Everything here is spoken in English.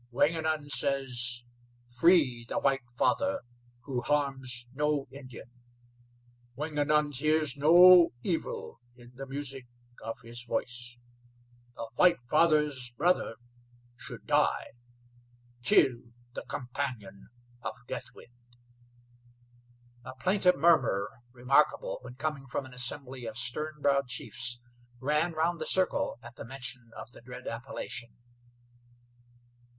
Wingenund says free the white father who harms no Indian. Wingenund hears no evil in the music of his voice. The white father's brother should die. Kill the companion of Deathwind!" A plaintive murmur, remarkable when coming from an assembly of stern browed chiefs, ran round the circle at the mention of the dread appellation.